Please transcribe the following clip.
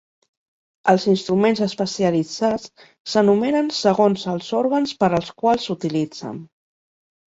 Els instruments especialitzats s'anomenen segons els òrgans per als quals s'utilitzen.